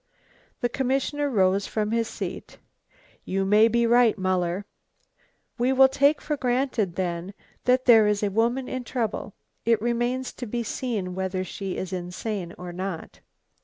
The commissioner rose from his seat. "You may be right, Muller. We will take for granted, then, that there is a woman in trouble. It remains to be seen whether she is insane or not."